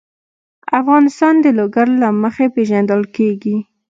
افغانستان د لوگر له مخې پېژندل کېږي.